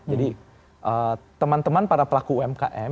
jadi teman teman para pelaku umkm